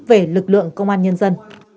về lực lượng công an nhân dân